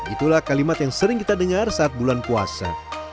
itulah kalimat yang sering kita dengar saat bulan puasa